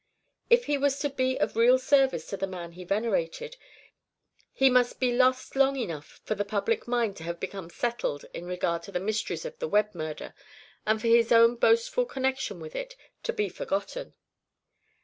If he was to be of real service to the man he venerated, he must be lost long enough for the public mind to have become settled in regard to the mysteries of the Webb murder and for his own boastful connection with it to be forgotten.